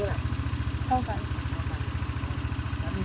แล้วปกติเอาชอบทุกวันไหมเอาชอบไว้ไหม